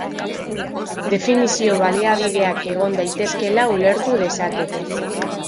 Definizio baliabideak egon daitezkeela ulertu dezakete.